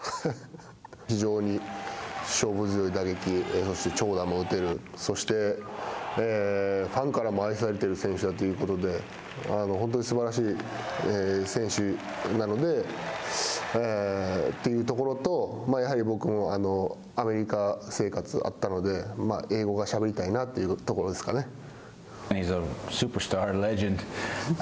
非常に勝負強い打撃、そして長打も打てる、そして、ファンからも愛されてる選手だということで、本当にすばらしい選手なので、というところと、やはり僕もアメリカ生活があったので、英語がしゃべりたいなというところですかね。